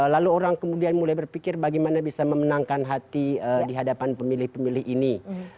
lalu orang kemudian mulai berpikir bagaimana bisa memenangkan hati di hadapan pemilih pemilih ini